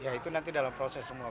ya itu nanti dalam proses semua